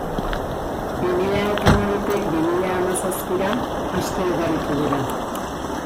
Bi mila eta hamabitik bi mila hamazazpira, asko ugaritu dira.